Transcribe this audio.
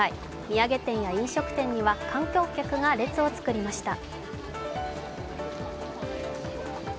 土産店や飲食店には観光客が列をつくりました。